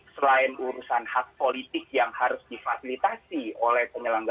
selain urusan hak politik yang harus difasilitasi oleh penyelenggara